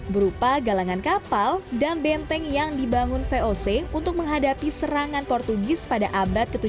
berupa galangan kapal dan benteng yang dibangun voc untuk menghadapi serangan portugis pada abad ke tujuh belas